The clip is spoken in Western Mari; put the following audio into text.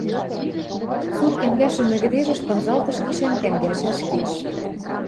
Суд кӓнгӓшӹмӹ кӹдежӹш пынзалтыш гишӓн кӓнгӓшӓш кеш.